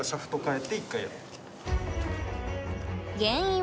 え！